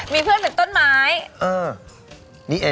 มีเพื่อนเป็นต้นไม้